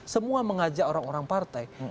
semua mengajak orang orang partai